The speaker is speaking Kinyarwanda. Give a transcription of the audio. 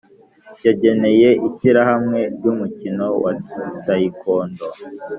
yageneye Ishyirahamwe ry’Umukino wa tayikondo